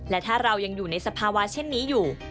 และถ้าเรายังอยู่ในสภาวะเช่นนี้อยู่